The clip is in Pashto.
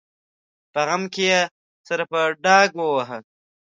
په غم کې یې سر په ډاګ وواهه.